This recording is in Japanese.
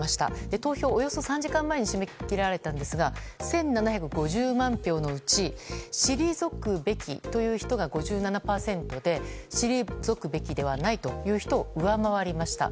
投票は、およそ３時間前に締め切られたんですが１７５０万票のうち退くべきという人が５７％で退くべきではないという人を上回りました。